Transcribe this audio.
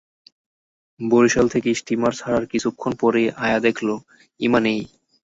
বরিশাল থেকে স্টিমার ছাড়ার কিছুক্ষণ পরই আয়া দেখল, ইমা নেই।